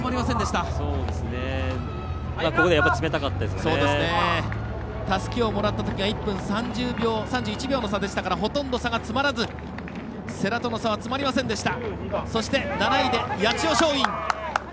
たすきをもらったときは１分３１秒の差でしたからほとんど差が詰まらず世羅との差、詰まりませんでした。